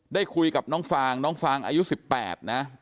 ได้คุยกับน้องฟางน้องฟางอายุ๑๘นะ